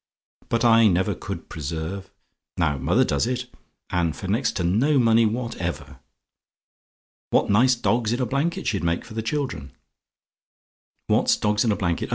But I never could preserve now mother does it, and for next to no money whatever. What nice dogs in a blanket she'd make for the children! "WHAT'S DOGS IN A BLANKET?